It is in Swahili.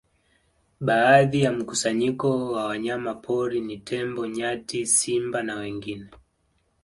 Baadhi ya mkusanyiko wa wanyama pori ni tembo nyati simba na wengine